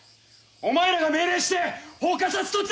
お前らが命令して放火させとったんやろ！